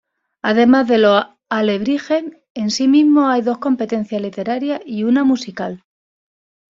Además de los alebrijes en sí mismos hay dos competencias literarias y una musical.